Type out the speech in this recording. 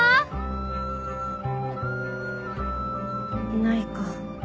いないか。